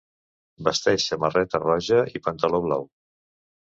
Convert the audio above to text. Vesteix samarreta roja i pantaló blau.